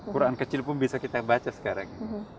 quran kecil pun bisa kita baca sekarang